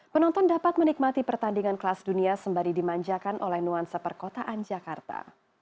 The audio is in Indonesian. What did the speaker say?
penonton dapat menikmati pertandingan kelas dunia sembari dimanjakan oleh nuansa perkotaan jakarta